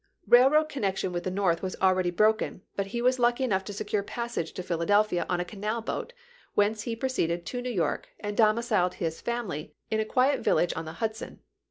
Railroad connection with the North was already broken, but he was lucky enough to secure passage to Philadelphia on a canal boat, whence he pro ceeded to New York and domiciled his family in a FAERAGUT'S VICTOEY 257 quiet village on the Hudson.